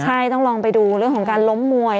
ใช่ต้องลองไปดูเรื่องของการล้มมวย